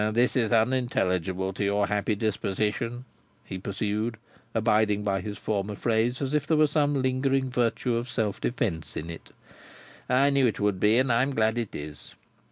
"This is unintelligible to your happy disposition," he pursued, abiding by his former phrase as if there were some lingering virtue of self defence in it: "I knew it would be, and am glad it is.